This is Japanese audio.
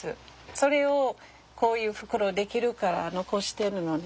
それをこういう袋出来るから残してるのね。